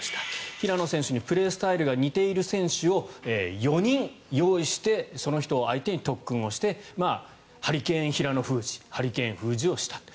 平野選手にプレースタイルが似ている選手を４人用意してその人を相手に特訓をしてハリケーンヒラノ封じハリケーン封じをしたと。